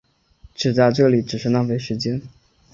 在这里只是浪费时间